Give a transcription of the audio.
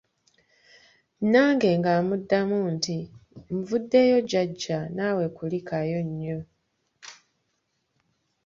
nange nga mmuddamu nti nvuddeyo Jjajja naawe kulikayo nnyo.